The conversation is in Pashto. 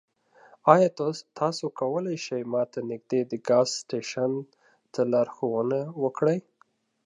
ایا تاسو کولی شئ ما ته نږدې د ګاز سټیشن ته لارښوونه وکړئ؟